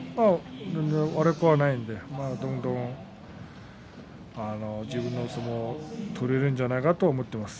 悪くはないので、どんどん自分の相撲を取れるのではないかと思っています。